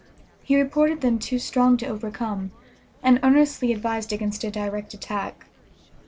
He reported them too strong to overcome, and earnestly advised against a direct attack.